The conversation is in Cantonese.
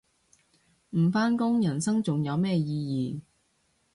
唔返工人生仲有咩意義